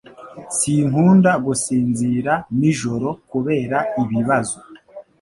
Sinkunda gusinzira nijoro kubera ibibazo